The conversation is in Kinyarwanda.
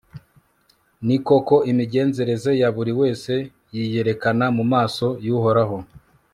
ni koko, imigenzereze ya buri wese yiyerekana mu maso y'uhoraho